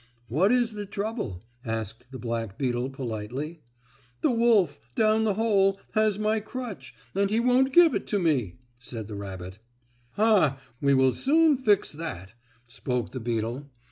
"What is the trouble?" asked the black beetle politely. "The wolf, down the hole, has my crutch, and he won't give it to me," said the rabbit. "Ha! we will very soon fix that," spoke the beetle.